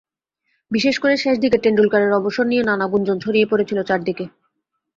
বিশেষ করে শেষ দিকে টেন্ডুলকারের অবসর নিয়ে নানা গুঞ্জন ছড়িয়ে পড়েছিল চারদিকে।